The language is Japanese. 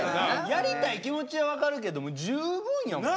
やりたい気持ちは分かるけども十分やもん。